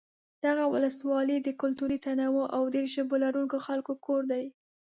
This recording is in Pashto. دغه ولسوالۍ د کلتوري تنوع او ډېر ژبو لرونکو خلکو کور دی.